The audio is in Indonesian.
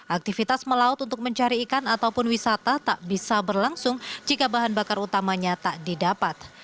aktivitas melaut untuk mencari ikan ataupun wisata tak bisa berlangsung jika bahan bakar utamanya tak didapat